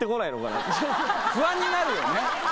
不安になるよね。